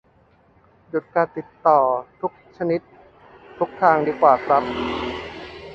หยุดการติดต่อทุกชนิดทุกทางดีกว่าครับ